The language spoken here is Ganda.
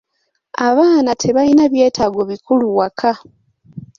Abaana tebalina byetaago bikulu waka.